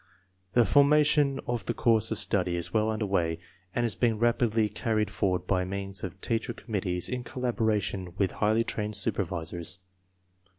The formation of the course of study is well under way and is being rapidly carried forward by means of teacher committees in collaboration with highly trained super visors.